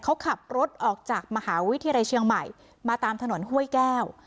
เขาขับรถออกจากมหาวิทยาลัยเชียงใหม่มาตามถนนห้วยแก้ว